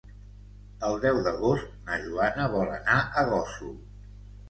El deu d'agost na Joana vol anar a Gósol.